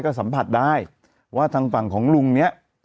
ก็สัมผัสได้ว่าทางฝั่งของลุงเนี่ย